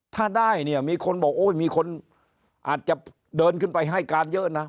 ถ้าได้เนี่ยมีคนบอกโอ้ยมีคนอาจจะเดินขึ้นไปให้การเยอะนะ